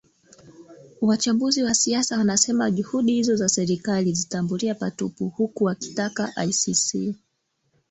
wachambuzi wa siasa wanasema juhudi hizo za serikali zitaambulia patupu huku wakitaka icc